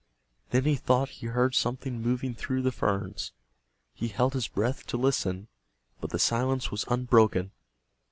Then he thought he heard something moving through the ferns. He held his breath to listen, but the silence was unbroken.